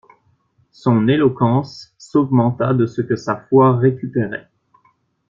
Son éloquence s'augmenta de ce que sa foi récupérait.